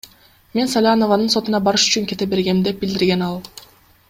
Мен Салянованын сотуна барыш үчүн кете бергем, — деп билдирген ал.